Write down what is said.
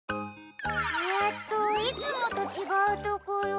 えっといつもとちがうところ。